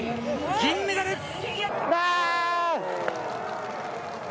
銀メダル。